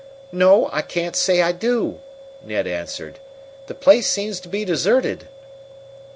"No, I can't say I do," Ned answered. "The place seems to be deserted."